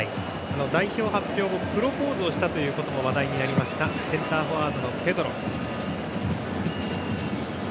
代表発表後プロポーズをしたことも話題になりましたセンターフォワードのペドロ。